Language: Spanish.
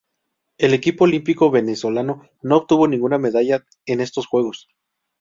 El equipo olímpico venezolano no obtuvo ninguna medalla en estos Juegos.